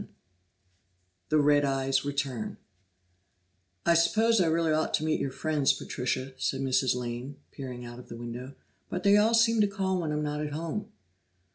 7 The Red Eyes Return "I suppose I really ought to meet your friends, Patricia," said Mrs. Lane, peering out of the window, "but they all seem to call when I'm not at home."